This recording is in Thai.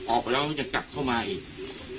ออกไปแล้วมันจะกลับเข้ามาอีก